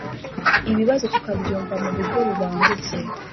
ibibazo tukabyumva mu buryo bubangutse.